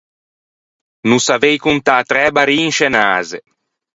No savei contâ træ barî in sce un ase.